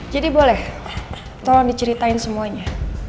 jadi boleh tolong diceritain semuanya